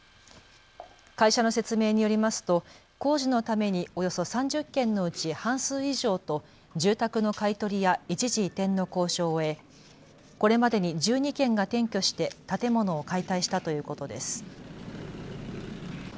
会社の説明によりますと工事のためにおよそ３０軒のうち半数以上と住宅の買い取りや一時移転の交渉を終えこれまでに１２軒が転居して建物を解体したということです。